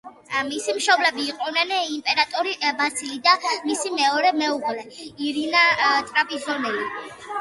მისი მშობლები იყვნენ იმპერატორი ბასილი და მისი მეორე მეუღლე, ირინა ტრაპიზონელი.